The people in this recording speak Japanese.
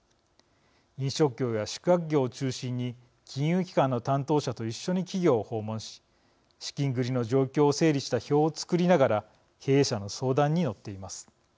飲食業や宿泊業を中心に金融機関の担当者と一緒に企業を訪問し資金繰りの状況を整理した表を作りながら経営者の相談に乗っています。